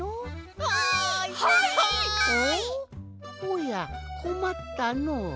おやこまったのう。